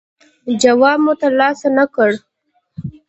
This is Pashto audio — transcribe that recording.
جواب مو ترلاسه نه کړ.